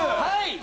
はい！